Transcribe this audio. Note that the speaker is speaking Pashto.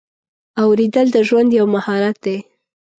اورېدل د ژوند یو مهارت دی.